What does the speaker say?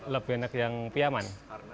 lebih enak yang piyaman